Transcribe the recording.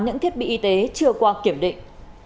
những thiết bị y tế chưa qua kiểm định